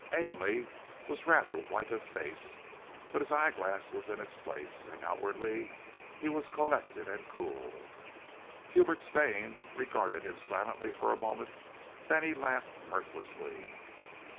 Ainley was rather white of face, but his eyeglass was in its place, and outwardly he was collected and cool. Hubert Stane regarded him silently for a moment, then he laughed mirthlessly.